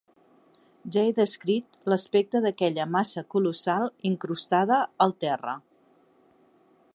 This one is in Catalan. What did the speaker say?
Ja he descrit l'aspecte d'aquella massa colossal incrustada al terra.